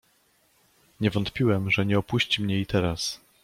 "Nie wątpiłem, że nie opuści mnie i teraz."